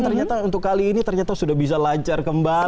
ternyata untuk kali ini ternyata sudah bisa lancar kembali